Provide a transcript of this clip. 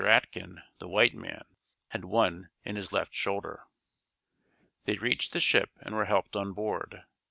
Atkin, the white man, had one in his left shoulder. They reached the ship and were helped on board.